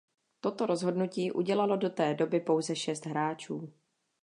Toto rozhodnutí udělalo do té doby pouze šest hráčů.